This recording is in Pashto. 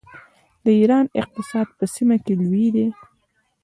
د ایران اقتصاد په سیمه کې لوی دی.